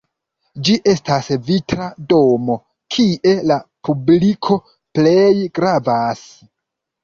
Ĝi estas vitra domo, kie la publiko plej gravas.